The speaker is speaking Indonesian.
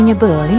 gini gua berenang